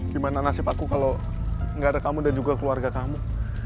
gimana nasib aku kalau gak ada kamu dan juga keluarga kamu